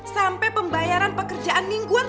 sampai pembayaran pekerjaan mingguan